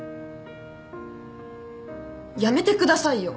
やめてくださいよ！